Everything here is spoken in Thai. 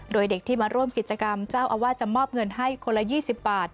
โดยเด็กที่มาร่วมกิจกรรมเจ้าอาวาสจะมอบเงินให้คนละ๒๐บาท